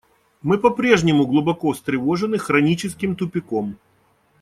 Мы по-прежнему глубоко встревожены хроническим тупиком.